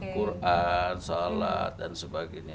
quran shalat dan sebagainya